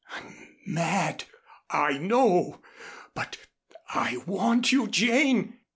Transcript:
"I'm mad I know but I want you, Jane.